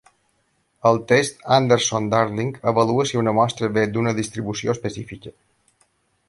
El test Anderson-Darling avalua si una mostra ve d"una distribució específica.